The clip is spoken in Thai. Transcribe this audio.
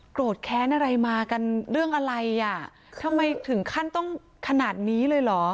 โกรธแค้นอะไรมากันเรื่องอะไรอ่ะทำไมถึงขั้นต้องขนาดนี้เลยเหรอ